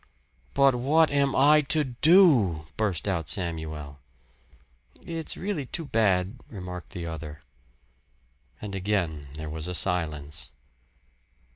"But what am I to do?" burst out Samuel. "It's really too bad," remarked the other. And again there was a silence.